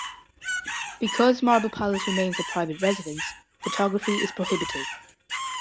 Because Marble Palace remains a private residence, photography is prohibited.